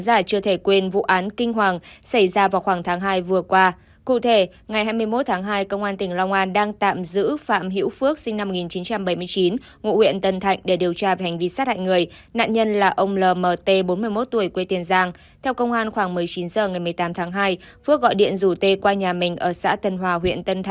sau công an khoảng một mươi chín h ngày một mươi tám tháng hai phước gọi điện rủ t qua nhà mình ở xã tân hòa huyện tân thạnh nhậu